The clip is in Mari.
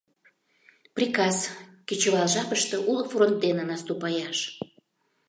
Приказ: кечывал жапыште уло фронт дене наступаяш.